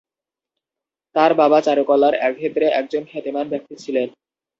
তাঁর বাবা চারুকলার ক্ষেত্রে একজন খ্যাতিমান ব্যক্তি ছিলেন।